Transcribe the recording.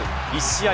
１試合